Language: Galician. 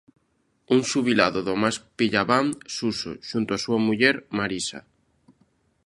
Un xubilado do máis pillabán, Suso, xunto a súa muller, Marisa.